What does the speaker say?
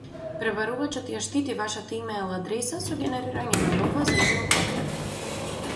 Пребарувачот ја штити вашата имејл адреса со генерирање на нова за една употреба